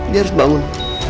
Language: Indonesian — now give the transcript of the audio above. dia harus bangun